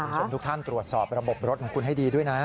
คุณผู้ชมทุกท่านตรวจสอบระบบรถของคุณให้ดีด้วยนะ